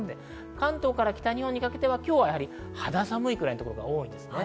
関東から北日本にかけて今日は肌寒いくらいのところが多いです。